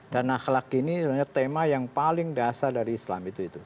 dan akhlak ini sebenarnya tema yang paling dasar dari islam